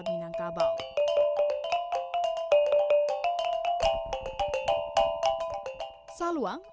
bagaimana cara menulis musik tradisional minangkabau